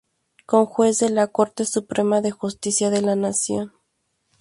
Conjuez de la Corte Suprema de Justicia de la Nación.